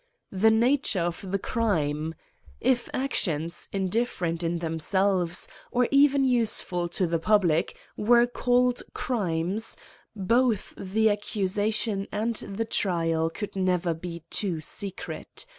The nature of the crime ; if actions, indif H 5S '' AN ESSAY ON ferent in themselves, or even useful to the public, vv^ere called crimes, both the accusation and the trial could never be too secret.